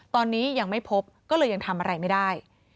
ตอนนี้ยังไม่พบก็เลยยังทำอะไรไม่ได้